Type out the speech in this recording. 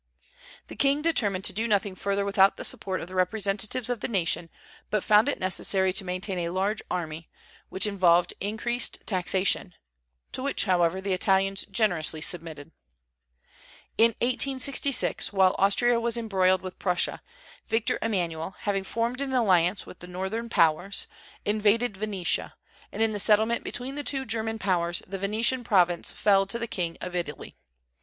The king determined to do nothing further without the support of the representatives of the nation, but found it necessary to maintain a large army, which involved increased taxation, to which, however, the Italians generously submitted. In 1866, while Austria was embroiled with Prussia, Victor Emmanuel, having formed an alliance with the Northern Powers, invaded Venetia; and in the settlement between the two German Powers the Venetian province fell to the King of Italy.